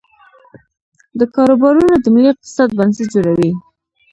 دا کاروبارونه د ملي اقتصاد بنسټ جوړوي.